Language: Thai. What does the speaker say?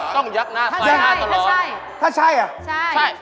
ต้องยักษ์หน้าหรอต้องยักษ์หน้าใส่หน้าตลอดถ้าใช่อ่ะใช่